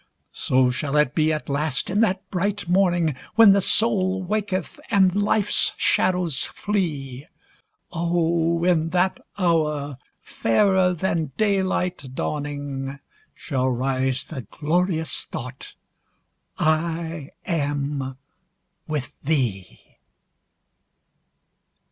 So shall it be at last in that bright morning, When the soul waketh, and life's shadows flee; O in that hour, fairer than daylight dawning, Shall rise the glorious thought I am with Thee.